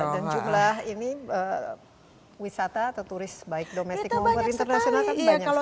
dan jumlah ini wisata atau turis baik domestik maupun internasional kan banyak sekali